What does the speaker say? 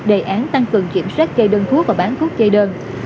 đề án tăng cường kiểm soát cây đơn thuốc và bán thuốc kê đơn